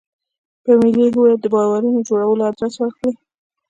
په ملي هویت د باورونو جوړولو ادرس ورکړي.